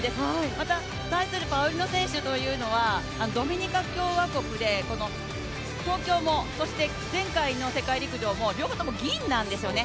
また対するパウリノ選手というのはドミニカ共和国でこの東京も、そして前回の世界陸上も両方とも銀なんですよね。